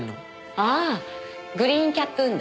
ああグリーンキャップ運動。